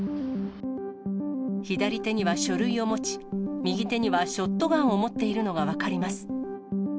左手には書類を持ち、右手にはショットガンを持っているのが分かります。